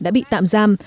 đã bị tạm giam